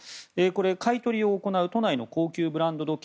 買い取りを行う都内の高級ブランド時計